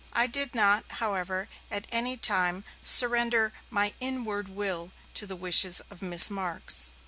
I did not, however, at any time surrender my inward will to the wishes of Miss Marks.